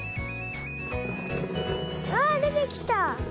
あでてきた！